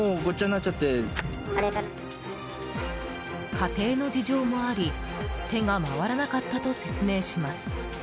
家庭の事情もあり手が回らなかったと説明します。